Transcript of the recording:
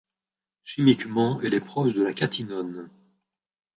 Chimiquement, elle est proche de la cathinone.